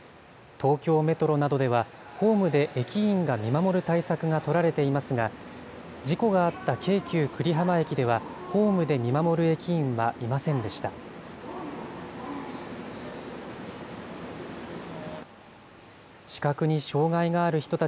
東京メトロなどでは、ホームで駅員が見守る対策が取られていますが、事故があった京急久里浜駅では、ホームで見守る駅員はいませんでした。